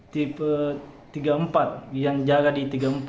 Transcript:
tipe tiga puluh empat yang jaga di tiga puluh empat